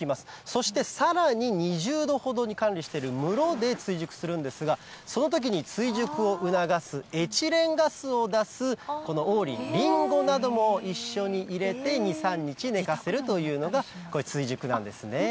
そしてさらに２０度ほどに管理している室で追熟するんですが、そのときに追熟を促すエチレンガスを出す、この王林、リンゴなども一緒に入れて２、３日寝かせるというのが、追熟なんですね。